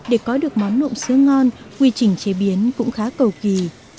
để có được món nộm sứa ngon quy trình chế biến cũng khá cầu kỳ